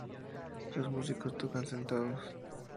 Los músicos tocan sentados.